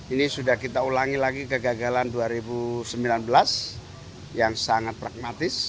ini sudah kita ulangi lagi kegagalan dua ribu sembilan belas yang sangat pragmatis